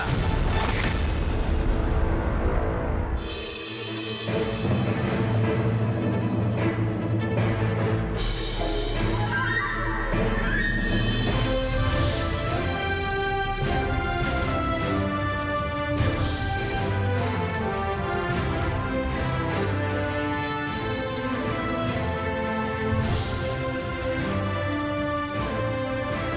ชูเว็ดตีแสดหน้า